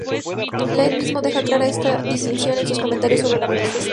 Land mismo deja clara esta distinción en su comentario sobre el manifiesto.